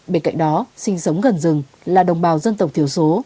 bên cạnh đó sinh sống gần rừng là đồng bào dân tộc thiểu số